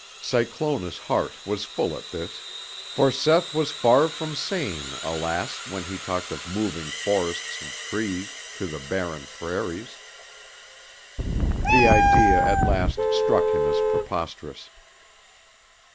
Cyclona's heart was full at this; for Seth was far from sane, alas! when he talked of moving forests of trees to the barren prairies. The idea at last struck him as preposterous.